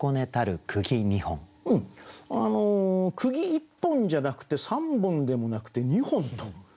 釘一本じゃなくて三本でもなくて二本と。